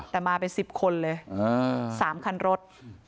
แต่มาเป็น๑๐คนเลย๓คันรถ